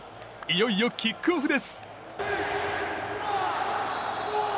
いよいよキックオフです。